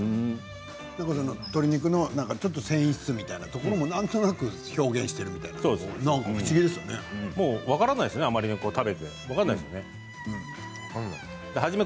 鶏肉のちょっと繊維質みたいなところもなんとなく表現しているみたいな分からないですよね食べていて。